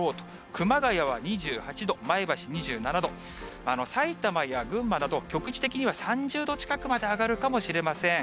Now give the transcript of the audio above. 熊谷は２８度、前橋２７度、埼玉や群馬など、局地的には３０度近くまで上がるかもしれません。